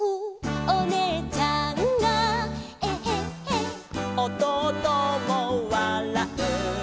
「おねえちゃんがエッヘッヘ」「おとうともわらう」